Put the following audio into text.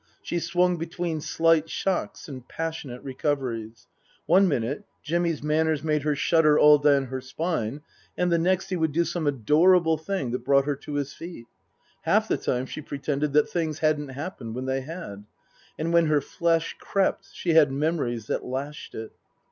She swung between slight shocks and passionate recoveries. One minute Jimmy's manners made her shudder all down her spine, and the next he would do some adorable thing that brought her to his feet. Half the time she pretended that things hadn't happened when they had. And when her flesh crept she had memories that lashed it.